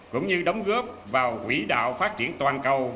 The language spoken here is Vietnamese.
cũng như đóng góp vào quỹ đạo phát triển toàn cầu